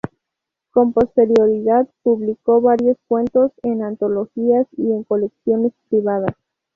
Con posterioridad publicó varios cuentos en antologías y en colecciones privadas.